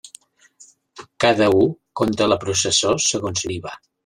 Cada u conta la processó segons li va.